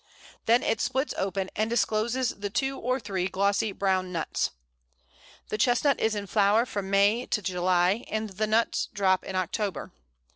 Then it splits open and discloses the two or three glossy brown nuts. The Chestnut is in flower from May to July, and the nuts drop in October.